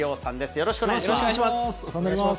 よろしくお願いします。